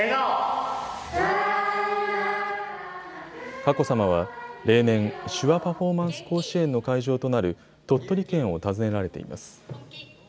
佳子さまは例年、手話パフォーマンス甲子園の会場となる鳥取県を訪ねられています。